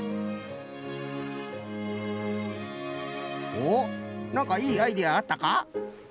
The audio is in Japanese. おっなんかいいアイデアあったか？